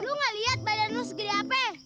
lu gak liat badan lu segede apa